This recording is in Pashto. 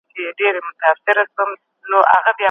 د فساد ريښې يې خطرناکې ګڼلې.